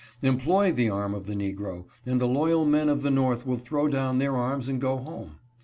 " Employ the arm of the negro, and the loyal men of the North will throw down their arms and go home."